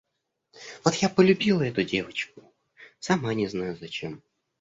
Вот я полюбила эту девочку, сама не знаю зачем.